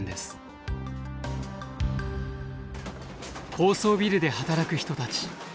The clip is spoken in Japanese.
高層ビルで働く人たち。